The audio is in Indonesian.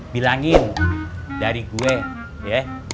bilangin dari gue ya